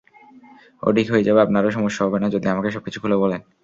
ও ঠিক হয়ে যাবে, আপনারও সমস্যা হবে না যদি আমাকে সবকিছু খুলে বলেন।